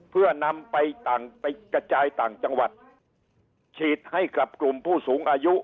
เพื่อนำไปต่างไปกระจายต่างจังหวัดฉีดให้กับกลุ่มผู้สูงอายุ